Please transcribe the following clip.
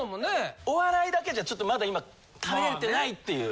お笑いだけじゃちょっとまだ今食べれてないっていう。